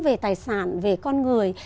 về tài sản về con người